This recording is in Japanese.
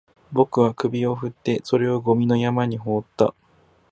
僕は首を振って、それをゴミの山に放った